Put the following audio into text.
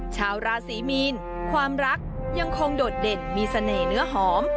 ชาวราศีมีนความรักยังคงโดดเด่นมีเสน่ห์เนื้อหอม